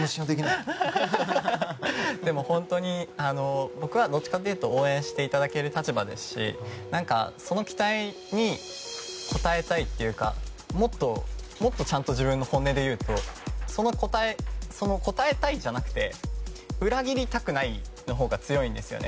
でも、本当に僕はどっちかというと応援していただける立場ですしその期待に応えたいというかもっとちゃんと自分の本音で言うと応えたいじゃなくて裏切りたくないのほうが強いんです。